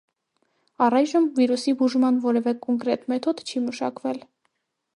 Առայժմ վիրուսի բուժման որևէ կոնկրետ մեթոդ չի մշակվել։